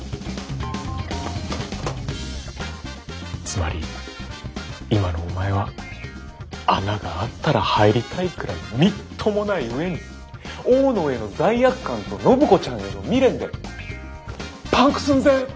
つまり今のお前は穴があったら入りたいくらいみっともない上に大野への罪悪感と暢子ちゃんへの未練でパンク寸前！